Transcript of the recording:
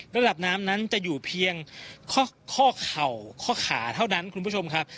ระดับน้ำนั้นจะอยู่เพียงข้อเข่าข้อขาเท่านั้นคุณผู้ชมครับ